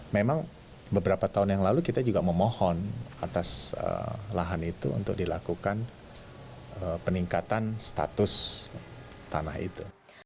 memang beberapa tahun yang lalu kita juga memohon atas lahan itu untuk dilakukan peningkatan status tanah itu